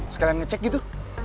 sekalian ngecek gitu